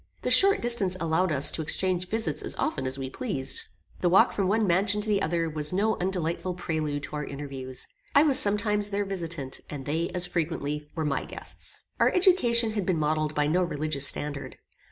The short distance allowed us to exchange visits as often as we pleased. The walk from one mansion to the other was no undelightful prelude to our interviews. I was sometimes their visitant, and they, as frequently, were my guests. Our education had been modelled by no religious standard.